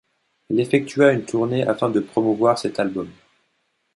Elle effectua une tournée afin de promouvoir cet album.